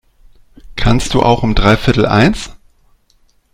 Kannst du auch um dreiviertel eins?